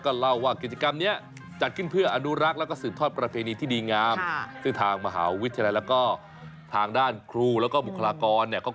เล่าว่ากิจกรรมนี้จัดขึ้นเพื่ออนุรักษ์แล้วก็สืบทอดประเพณีที่ดีงามซึ่งทางมหาวิทยาลัยแล้วก็ทางด้านครูแล้วก็บุคลากรเนี่ย